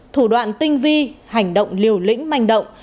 thủ đoạn tinh vi hành động liều lĩnh manh động